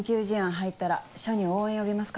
入ったら署に応援呼びますから。